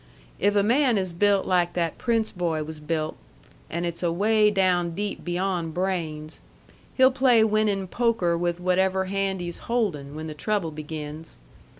If a man is built like that Prince boy was built (and it's away down deep beyond brains), he'll play winnin' poker with whatever hand he's holdin' when the trouble begins.